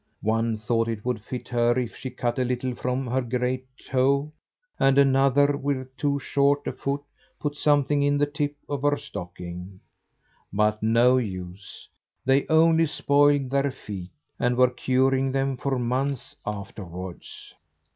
One thought it would fit her if she cut a little from her great toe; and another, with too short a foot, put something in the tip of her stocking. But no use; they only spoiled their feet, and were curing them for months afterwards.